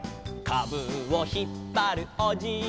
「かぶをひっぱるおじいさん」